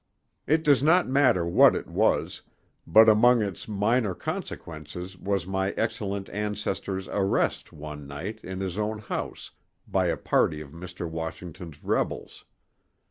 It does not matter what it was, but among its minor consequences was my excellent ancestor's arrest one night in his own house by a party of Mr. Washington's rebels.